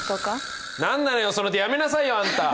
何なのよその手やめなさいよあんた。